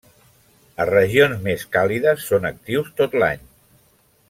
A regions més càlides són actius tot l'any.